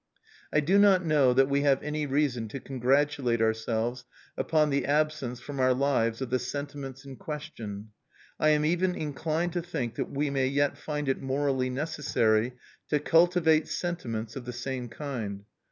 I do not know that we have any reason to congratulate ourselves upon the absence from our lives of the sentiments in question; I am even inclined to think that we may yet find it morally necessary to cultivate sentiments of the same kind.